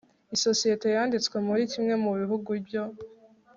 Isosiyete yanditswe muri kimwe mu bihugu byo